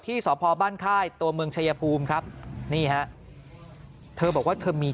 สพบ้านค่ายตัวเมืองชายภูมิครับนี่ฮะเธอบอกว่าเธอมี